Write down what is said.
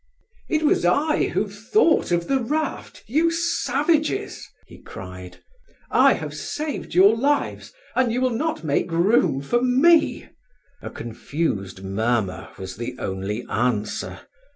"It was I who thought of the raft, you savages!" he cried. "I have saved your lives, and you will not make room for me!" A confused murmur was the only answer.